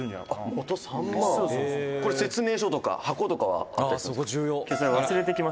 北山：「説明書とか箱とかはあったりするんですか？」